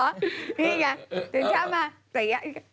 นี่ไงจริงมาใส่